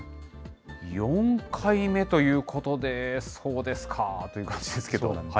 ４回目ということで、そうですかという感じですけど。